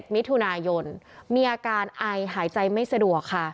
มิถุนายนมีอาการไอหายใจไม่สะดวกค่ะ